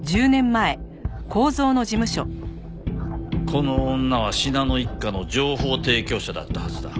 この女は信濃一家の情報提供者だったはずだ。